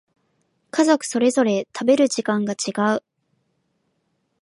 家族それぞれ食べる時間が違う